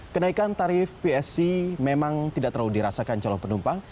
kenaikan tarif psc memang tidak terlalu dirasakan calon penumpang